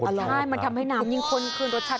ใช่มันทำให้หนามยิ่งโคลย์รสชาติ